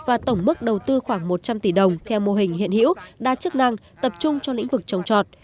và tổng mức đầu tư khoảng một trăm linh tỷ đồng theo mô hình hiện hữu đa chức năng tập trung trong lĩnh vực trồng trọt